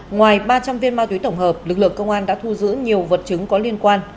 ngoài ba trăm linh viên ma túy tổng hợp lực lượng công an đã thu giữ nhiều vật chứng có liên quan